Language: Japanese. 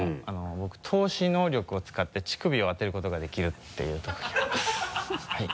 僕透視能力を使って乳首を当てることができるていう特技があります。